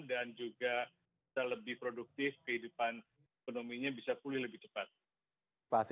dan juga bisa lebih produktif kehidupan ekonominya bisa pulih lebih cepat